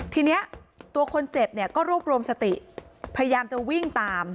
ทีนี้ตัวคนเจ็บเนี่ยก็รวบรวมสติพยายามจะวิ่งตาม